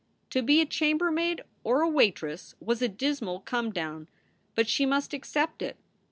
To be a chambermaid or a waitress was a dismal come down, but she must accept it.